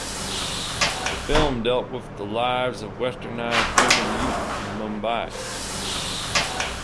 The film dealt with the lives of westernised urban youth in Mumbai.